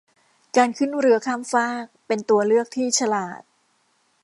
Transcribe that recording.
การขึ้นเรือข้ามฟากเป็นตัวเลือกที่ฉลาด